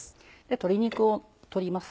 鶏肉を取ります。